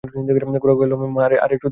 গোরা কহিল, মা, আর-একটু দুধ এনে দাও।